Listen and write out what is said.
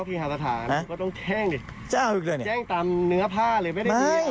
ต้องเคหาสถานก็ต้องแข้งแจ้งตามเนื้อผ้าเลยไม่ได้มีอะไร